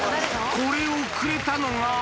これをくれたのが。